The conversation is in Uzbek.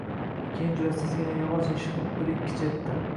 Keyin jur`atsizgina yog`och eshikni bir-ikki chertdi